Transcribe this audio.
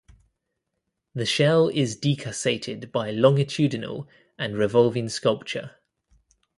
The shell is decussated by longitudinal and revolving sculpture.